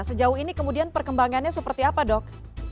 sejauh ini kemudian perkembangannya seperti apa dok